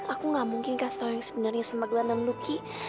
aku gak mungkin kasih tau yang sebenernya semaglan dan lucky